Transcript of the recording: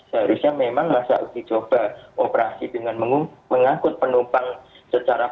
seharusnya memang masa uji coba operasi dengan mengangkut penumpang secara